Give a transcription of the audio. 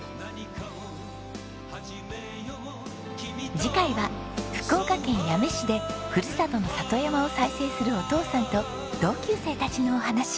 次回は福岡県八女市でふるさとの里山を再生するお父さんと同級生たちのお話。